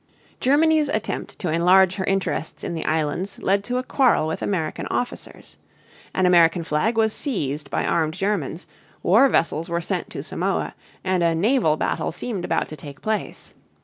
Germany's attempt to enlarge her interests in the islands led to a quarrel with American officers. An American flag was seized by armed Germans, war vessels were sent to Samoa, and a naval battle seemed about to take place.